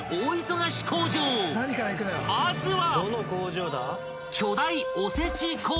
［まずは］